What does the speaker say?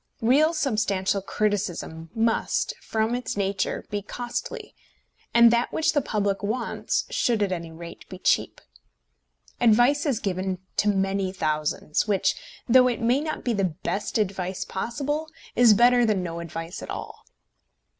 Real substantial criticism must, from its nature, be costly, and that which the public wants should at any rate be cheap. Advice is given to many thousands, which, though it may not be the best advice possible, is better than no advice at all.